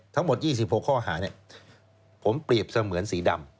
ทั้งหมด๒๖ข้อหาผมเปรียบเสมือนสีดำ